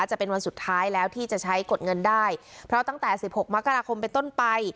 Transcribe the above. จะเป็นวันสุดท้ายแล้วที่จะใช้กดเงินได้เพราะตั้งแต่สิบหกมกราคมไปต้นไป